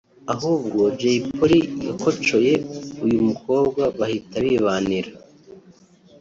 ahubwo Jay Polly yakocoye uyu mukobwa bahita bibanira